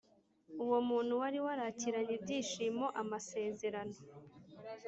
uwo muntu wari warakiranye ibyishimo amasezerano